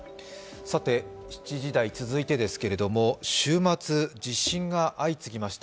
７時台、続いてですけれども、週末地震が相次ぎました。